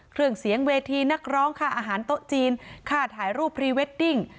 เครื่องเสียงเวทีนักร้องค่าอาหารโต๊ะจีนค่าถ่ายรูปพรีเวดดิ้ง